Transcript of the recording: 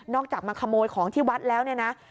จากมาขโมยของที่วัดแล้วเนี่ยนะ